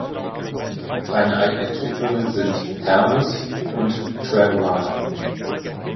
Reine Eigenentwicklungen sind "Hermes" und "Trap Runner".